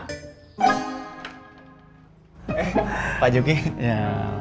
eh pak joky ya